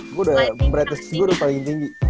aku udah brightness gua udah paling tinggi